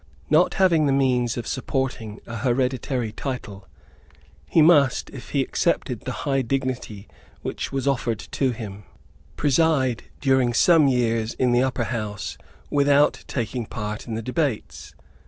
Not having the means of supporting a hereditary title, he must, if he accepted the high dignity which was offered to him, preside during some years in the Upper House without taking part in the debates.